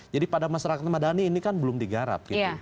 jadi pada masyarakat madani ini kan belum digarap gitu